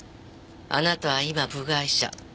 あなたは今部外者。